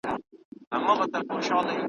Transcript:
ګړی وروسته نه بادونه نه باران وو ,